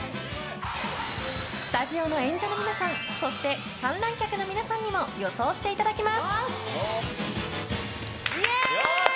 スタジオの演者の皆さんそして観覧客の皆さんにも予想していただきます！